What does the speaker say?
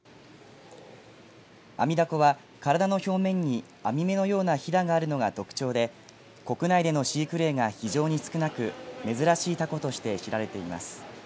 アミダコは体の表面に網目のようなひだがあるのが特徴で国内での飼育例が非常に少なく珍しいタコとして知られています。